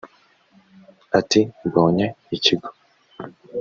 Ati “Mbonye ikigo